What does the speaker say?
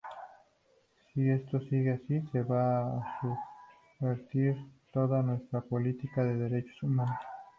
Si esto sigue así, se va a subvertir toda nuestra política de derechos humanos".